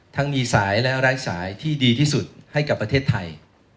มีสายและไร้สายที่ดีที่สุดให้กับประเทศไทย